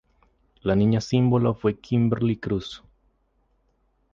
La niña símbolo fue Kimberly Cruz.